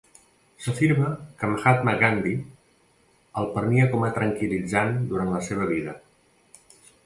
S'afirma que Mahatma Gandhi el prenia com a tranquil·litzant durant la seva vida.